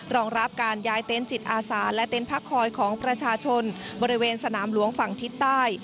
รองรับการย้ายเต็นต์จิตอาสาและเต็นต์พักคอยของประชาชนบริเวณสนามหลวงฝั่งทิศใต้